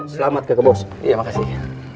selamat ya makasih